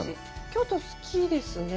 京都、好きですね。